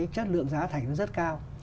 chất lượng giá thành rất cao